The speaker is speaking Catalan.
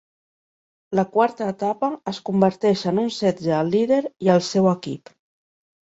La quarta etapa es converteix en un setge al líder i al seu equip.